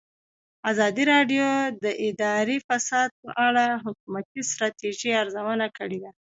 ازادي راډیو د اداري فساد په اړه د حکومتي ستراتیژۍ ارزونه کړې.